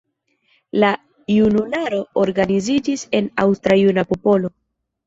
La junularo organiziĝis en Aŭstra Juna Popolo.